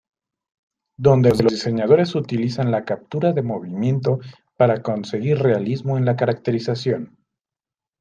Donde los diseñadores utilizan la captura de movimiento para conseguir realismo en la caracterización.